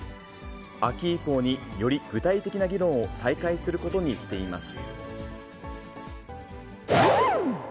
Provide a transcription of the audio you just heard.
秋以降により具体的な議論を再開することにしています。